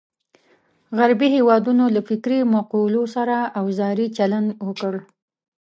غربي هېوادونو له فکري مقولو سره اوزاري چلند وکړ.